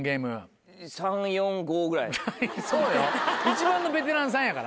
そうよ。